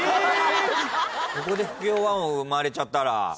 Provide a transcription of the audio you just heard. ここで不協和音生まれちゃったら。